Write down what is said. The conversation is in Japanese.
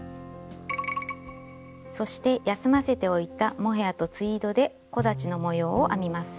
そして休ませておいたモヘアとツイードで木立の模様を編みます。